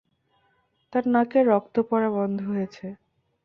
তার নাকের রক্ত পরা বন্ধ হয়েছে।